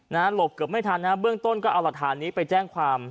หลบเกือบไม่ทันนะฮะเบื้องต้นก็เอาหลักฐานนี้ไปแจ้งความ